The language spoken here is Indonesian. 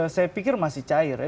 saya pikir masih cair ya